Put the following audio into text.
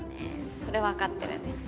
それは分かってるんですよ。